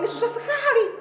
kau ini susah sekali